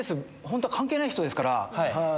本当は関係ない人ですから。